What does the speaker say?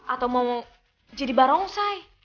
atau mau jadi barong say